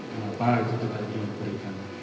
kenapa itu terjadi